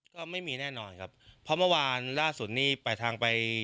ก็ไม่มีแน่นอนครับเพราะวันล่าสุดเน่นเพราะมาทางไป